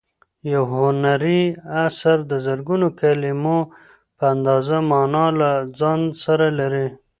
یو هنري اثر د زرګونو کلیمو په اندازه مانا له ځان سره لري.